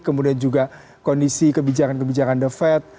kemudian juga kondisi kebijakan kebijakan dovet